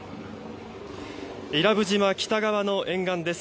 伊良部島北側の沿岸です。